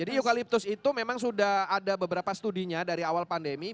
jadi eukaliptus itu memang sudah ada beberapa studinya dari awal pandemi